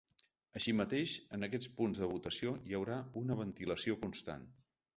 Així mateix, en aquests punts de votació hi haurà una ventilació constant.